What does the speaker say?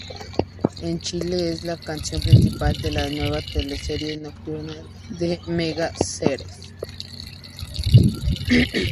En Chile, es la canción principal de la nueva teleserie nocturna de Mega: Sres.